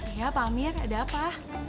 iya pak amir ada apa